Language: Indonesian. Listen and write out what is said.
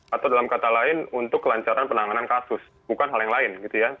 atau dalam kata lain untuk kelancaran penanganan kasus bukan hal yang lain gitu ya